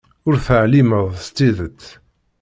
Ur teεlimeḍ s tidet.